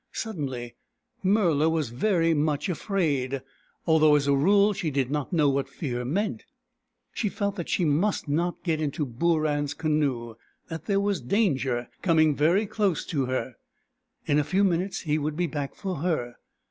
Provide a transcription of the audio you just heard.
Suddenly Murla was very much afraid, although as a rule she did not know what fear meant. She felt that she must not get into Booran's canoe — that there was danger coming very close to her. In a few minutes he would be back for her.